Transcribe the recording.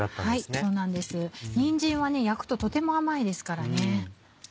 そうなんですにんじんは焼くととても甘いですからね。